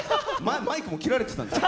マイクも切られてたんです。